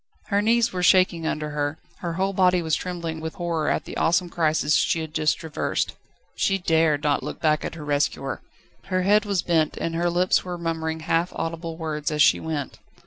Her knees were shaking under her, her whole body was trembling with horror at the awesome crisis she had just traversed. She dared not look back at her rescuer. Her head was bent, and her lips were murmuring half audible words as she went.